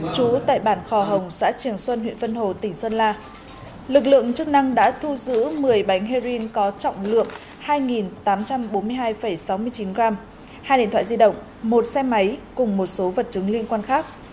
trú tại bản khò hồng xã trường xuân huyện vân hồ tỉnh sơn la lực lượng chức năng đã thu giữ một mươi bánh heroin có trọng lượng hai tám trăm bốn mươi hai sáu mươi chín gram hai điện thoại di động một xe máy cùng một số vật chứng liên quan khác